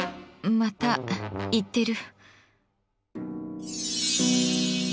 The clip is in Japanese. また言ってる。